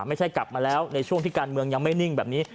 ไม่ใช่กลับมาแล้วในช่วงที่การเมืองยังไม่นิ่งแบบนี้